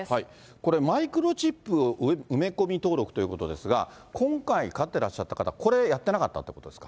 これ、マイクロチップを埋め込み登録ということですが、今回飼ってらっしゃった方、これ、やってなかったということですか？